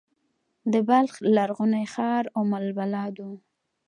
د بلخ لرغونی ښار ام البلاد و